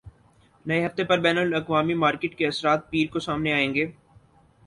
نئے ہفتے پر بین الاقوامی مارکیٹ کے اثرات پیر کو سامنے آئیں گے